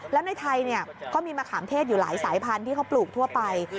แล้วในไทยก็มีมะขามเทศอยู่หลายสายพันธุ์ที่เขาปลูกทั่วไป